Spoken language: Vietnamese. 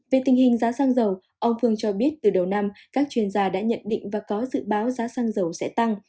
về tình hình giá xăng dầu ông phương cho biết từ đầu năm các chuyên gia đã nhận định và có dự báo giá xăng dầu sẽ tăng